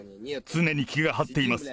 常に気が張っています。